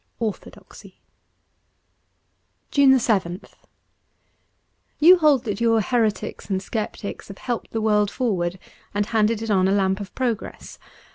' Orthodoxy.'' 175 JUNE 7th YOU hold that your heretics and sceptics have helped the world forward and handed on a lamp of progress.